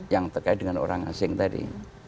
yang terkait dengan orang asing tadi